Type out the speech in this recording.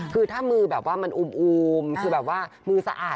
คือถ้ามือแบบว่ามันอูมคือแบบว่ามือสะอาด